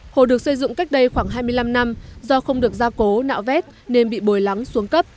hồ được xây dựng cách đây khoảng hai mươi năm năm do không được gia cố nạo vét nên bị bồi lắng xuống cấp